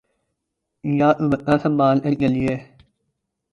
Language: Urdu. یا دوپٹہ سنبھال کر چلئے